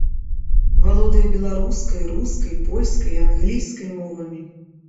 Валодае беларускай, рускай, польскай і англійскай мовамі.